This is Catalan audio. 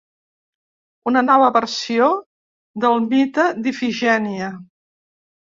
Una nova versió del mite d'Ifigènia.